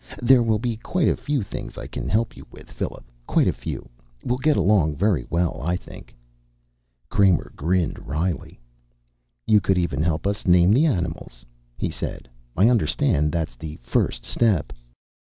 There will be quite a few things I can help you with, Philip. Quite a few. We'll get along very well, I think." Kramer grinned wryly. "You could even help us name the animals," he said. "I understand that's the first step."